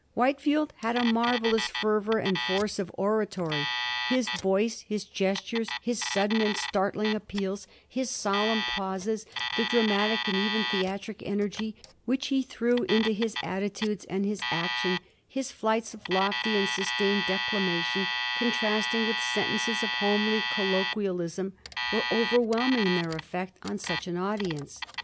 Whitefield had a marvellous fervor and force of oratory. His voice, his gestures, his sudden and startling appeals, his solemn pauses, the dramatic and even theatric energy which he threw into his attitudes and his action, his flights of lofty and sustained declamation, contrasting with sentences of homely colloquialism, were overwhelming in their effect on such an audience.